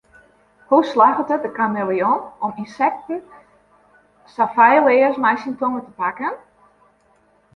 Hoe slagget it de kameleon om ynsekten sa feilleas mei syn tonge te pakken?